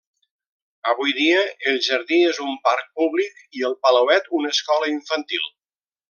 Avui dia el jardí és un parc públic i el palauet una escola infantil.